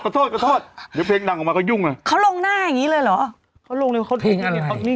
ก็เป็นแรปถูกต้องไหม